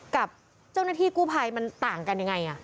กับเจ้าหน้าที่กู้ภัยมันต่างกันยังไง